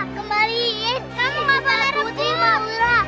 kembaliin di kisah putri maura